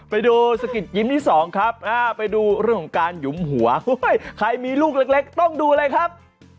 ไปดูสกิดยิ้มที่สองครับไปดูเรื่องของการหยุมหัวใครมีลูกเล็กต้องดูเลยครับ